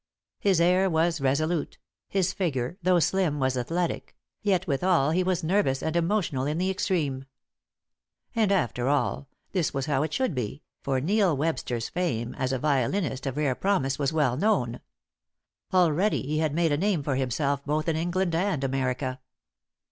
His air was resolute; his figure, though slim, was athletic; yet withal he was nervous and emotional in the extreme. And, after all, this was how it should be, for Neil Webster's fame as a violinist of rare promise was well known. Already he had made a name for himself both in England and America.